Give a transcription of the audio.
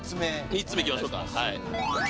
３つ目いきましょうか。